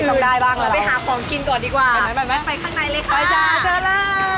ข้างในเลยค่ะจ้าจ้านะ้